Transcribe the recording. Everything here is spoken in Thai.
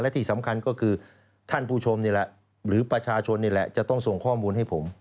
และที่สำคัญก็คือท่านผู้ชมนี่แหละหรือประชาชนนี่แหละจะต้องส่งข้อมูลให้ผม